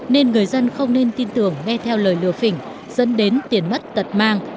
nên người dân không nên tin tưởng nghe theo lời lừa phỉnh dẫn đến tiền mất tật mang